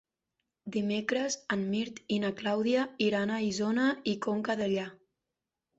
Dimecres en Mirt i na Clàudia iran a Isona i Conca Dellà.